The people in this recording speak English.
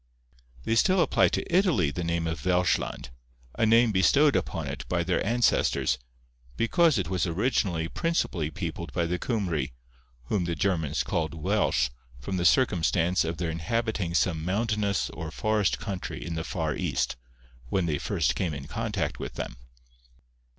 They still apply to Italy the name of Welschland, a name bestowed upon it by their ancestors, because it was originally principally peopled by the Cymry, whom the Germans called Welsh from the circumstance of their inhabiting some mountainous or forest country in the far East, when they first came in contact with them.